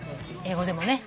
英語でもね。